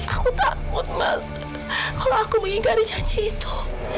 aku takut mas kalau aku mengingat janji itu